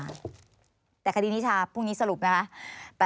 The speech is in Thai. แต่คดีนิชาพรุ่งนี้สรุปนะคะ